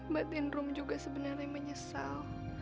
makin rum juga sebenernya menyesal